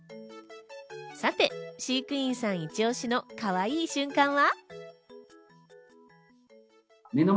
さて飼育員さんイチ押しのかわいい瞬間は。